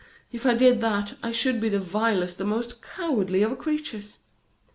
if I did that, I should be the vilest, the most cowardly of creatures!